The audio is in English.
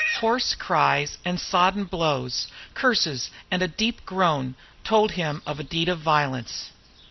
Hoarse cries and sodden blows, curses, and a deep groan told of a deed of violence.